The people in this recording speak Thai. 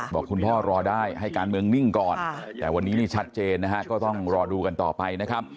บอกคุณพ่อรอได้ให้การเมืองนิ่งก่อนแต่วันนี้นี่ชัดเจนนะฮะก็ต้องรอดูกันต่อไปนะครับ